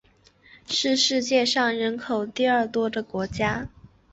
是世界上人口第二多的国家。